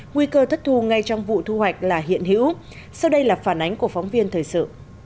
nguy cơ thất thu ngay trong vụ thu hoạch là hiện hữu sau đây là phản ánh của phóng viên thời sự